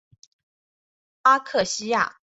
阿克西亚。